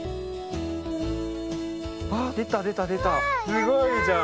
すごいじゃん。